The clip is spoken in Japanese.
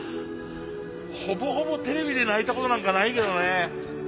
ほぼほぼテレビで泣いたことなんかないけどね。